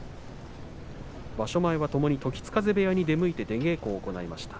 場所前は、ともに時津風部屋に出稽古に行きました。